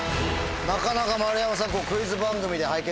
なかなか丸山さん。